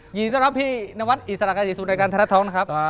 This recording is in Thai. ยินดีต้อนรับพี่นวัดอิสระการศรีสุดรายการธนท้องนะครับ